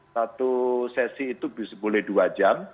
satu sesi itu boleh dua jam